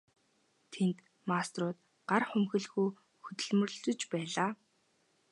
Тэнд мастерууд гар хумхилгүй хөдөлмөрлөж байлаа.